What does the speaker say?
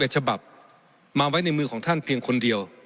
ฉบับมาไว้ในมือของท่านเพียงคนเดียว